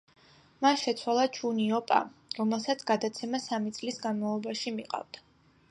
მან შეცვალა ჩუნ იო პა, რომელსაც გადაცემა სამი წლის განმავლობაში მიყავდა.